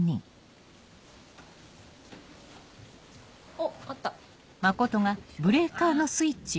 おあった！